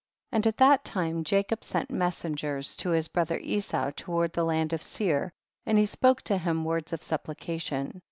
And at that time Jacob sent messengers to his brother Esau to ward the land of Seir, and he spoke to him words of supplication.